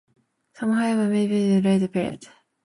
Some, however, may be interpolations of a later period.